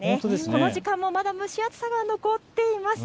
この時間もまだ蒸し暑さが残っています。